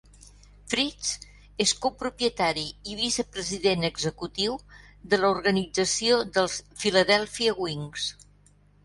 Fritz és co-propietari i vice-president executiu de l'organització dels Philadelphia Wings.